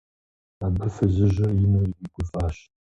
Абы фызыжьыр ину иригуфӀащ.